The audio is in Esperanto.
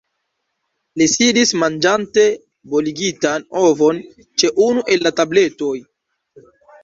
Li sidis manĝante boligitan ovon ĉe unu el la tabletoj.